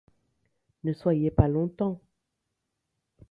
Ne soyez pas longtemps!